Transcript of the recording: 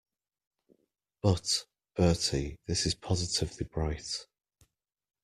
But, Bertie, this is positively bright.